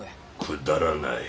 くだらない。